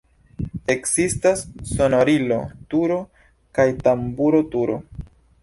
Ekzistas sonorilo-turo kaj tamburo-turo.